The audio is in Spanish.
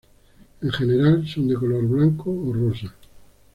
En general, son de color blanco o rosa.